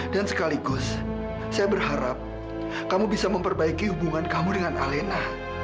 dan sekaligus saya berharap kamu bisa memperbaiki hubungan kamu dengan alena